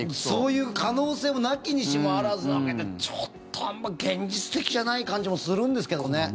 そういう可能性もなきにしもあらずだけどちょっと現実的じゃない感じもするんですけどね。